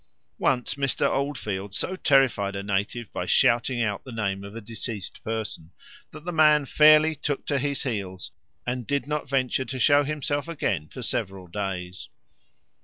Once Mr. Oldfield so terrified a native by shouting out the name of a deceased person, that the man fairly took to his heels and did not venture to show himself again for several days.